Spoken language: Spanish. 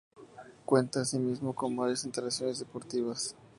Cuenta así mismo con varias instalaciones deportivas.